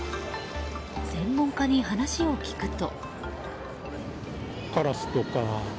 専門家に話を聞くと。